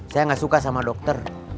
saya gak suka sama dokter